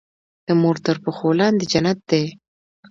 د مور تر پښو لاندي جنت دی.